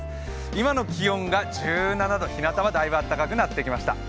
今の気温が１７度ひなたはだいぶ暖かくなってきました。